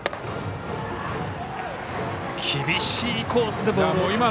厳しいコースでした。